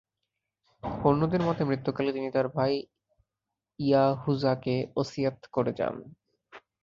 অন্যদের মতে, মৃত্যুকালে তিনি তার ভাই ইয়াহুযাকে ওসীয়ত করে যান।